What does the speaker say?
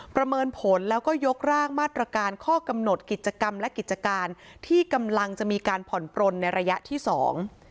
ประเมินผลแล้วก็ยกร่างมาตรการข้อกำหนดกิจกรรมและกิจการที่กำลังจะมีการผ่อนปลนในระยะที่สอง